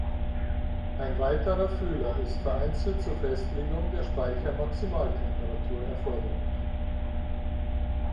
Ein weiterer Fühler ist vereinzelt zur Festlegung der Speicher-Maximaltemperatur erforderlich.